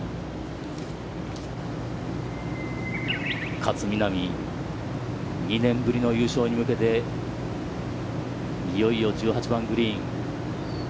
勝みなみ、２年ぶりの優勝に向けていよいよ、１８番グリーン。